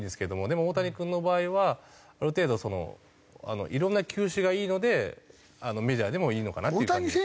でも大谷君の場合はある程度そのいろんな球種がいいのでメジャーでもいいのかなっていう感じが。